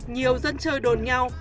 nhiều dân chơi đồn nhau